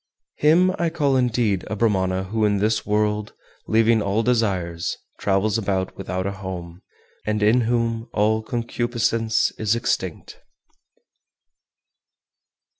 415. Him I call indeed a Brahmana who in this world, leaving all desires, travels about without a home, and in whom all concupiscence is extinct.